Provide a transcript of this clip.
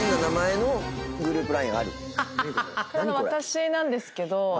これ私なんですけど。